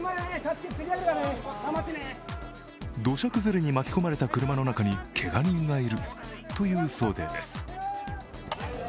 土砂崩れに巻き込まれた車の中にけが人がいるという想定です。